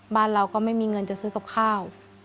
บ้านเราก็ไม่มีเงินจะซื้อกับข้าว